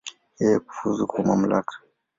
Yeye kufuzu kwa mamlaka.